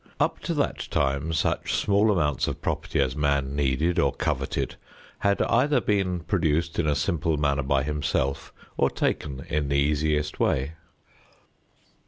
Up to that time such small amounts of property as man needed or coveted had either been produced in a simple manner by himself or taken in the easiest way.